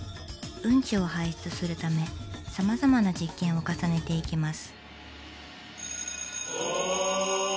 うんちを排出するためさまざまな実験を重ねていきます。